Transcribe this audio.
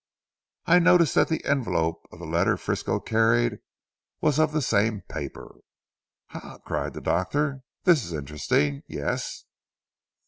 "I noticed that the envelope of the letter Frisco carried was of the same paper." "Ha!" cried the doctor, "this is interesting. Yes?"